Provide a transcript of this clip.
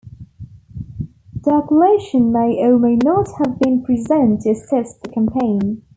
Diocletian may or may not have been present to assist the campaign.